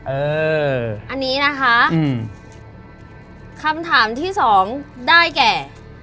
เอออันนี้นะคะคำถามที่สองได้แก่